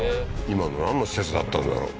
今のなんの施設だったんだろう？